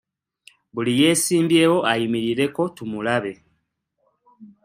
Buli yeesimbyewo ayimirireko tumulabe.